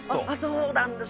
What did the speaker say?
そうなんです！